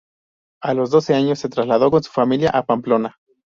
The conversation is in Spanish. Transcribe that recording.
A los doce años se trasladó con su familia a Pamplona.